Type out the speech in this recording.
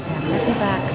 terima kasih pak